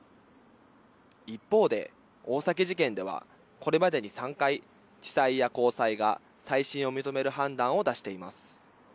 一方で大崎事件では、これまでに３回地裁や高裁が再審を認める判断を出しています。